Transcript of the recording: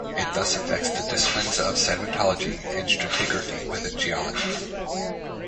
It thus affects the disciplines of sedimentology and stratigraphy within geology.